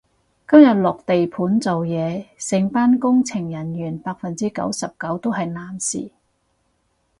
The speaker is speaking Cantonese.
今日落地盤做嘢，成班工程人員百分之九十九都係男士